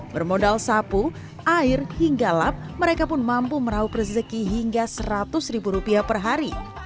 bermodal sapu air hingga lap mereka pun mampu merauh rezeki hingga seratus rupiah perhari